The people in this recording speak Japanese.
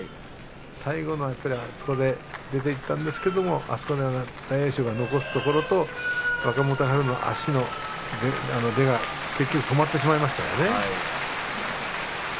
最後、出ていったんですけれども大栄翔が残すところと若元春の足の出が結局止まってしまいましたよね。